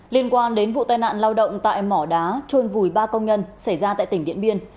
liên quan đến vụ tai nạn lao động tại mỏ đá trôn vùi ba công nhân xảy ra tại tỉnh điện biên